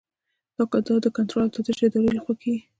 دا د کنټرول او تفتیش ادارې لخوا کیږي.